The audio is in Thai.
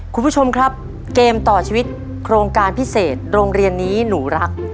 คุณผู้ชมครับเกมต่อชีวิตโครงการพิเศษโรงเรียนนี้หนูรัก